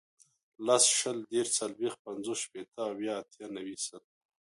لس, شل, دېرس, څلوېښت, پنځوس, شپېته, اویا, اتیا, نوي, سل